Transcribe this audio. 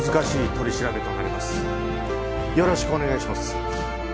よろしくお願いします。